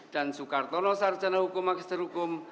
dan soekartono sarjana hukum magisterikum